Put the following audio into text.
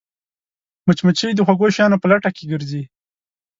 مچمچۍ د خوږو شیانو په لټه کې ګرځي